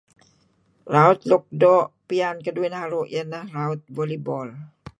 Raut luk doo' piyan keduih naru' iyeh neh raut volleyball.